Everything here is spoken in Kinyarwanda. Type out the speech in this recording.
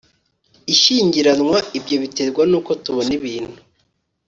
ishyingiranwa ibyo biterwa n'uko tubona ibintu